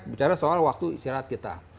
bicara soal waktu istirahat kita